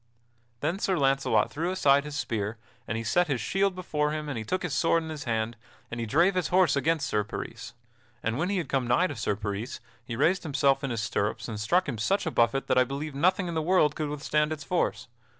Then Sir Launcelot threw aside his spear, and he set his shield before him and he took his sword in his hand, and he drave his horse against Sir Peris. And when he had come nigh to Sir Peris he raised himself in his stirrups and struck him such a buffet that I believe nothing in the world could withstand its force.